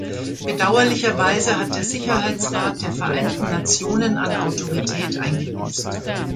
Bedauerlicherweise hat der Sicherheitsrat der Vereinten Nationen an Autorität eingebüßt.